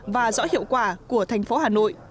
và rõ hiệu quả của thành phố hà nội